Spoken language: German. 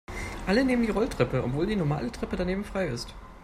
Alle nehmen die Rolltreppe, obwohl die normale Treppe daneben frei ist.